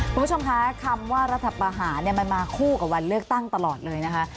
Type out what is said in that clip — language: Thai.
คุณผู้ชมคะคำว่ารัฐประหารมันมาคู่กับวันเลือกตั้งตลอดเลยนะคะ